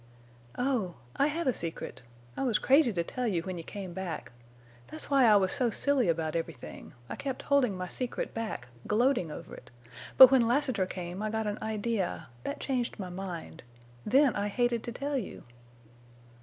"Oh—I have a secret. I was crazy to tell you when you came back. That's why I was so silly about everything. I kept holding my secret back—gloating over it. But when Lassiter came I got an idea—that changed my mind. Then I hated to tell you."